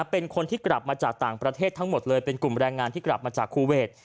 เป็นคนที่กลับมาจากต่างประเทศทั้งหมดเลยเป็นกลุ่มแรงงานที่กลับมาจากคูเวท